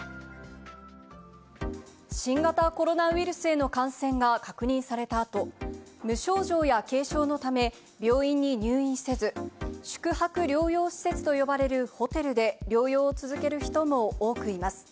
新型コロナウイルスへの感染が確認されたあと、無症状や軽症のため、病院に入院せず、宿泊療養施設と呼ばれるホテルで療養を続ける人も多くいます。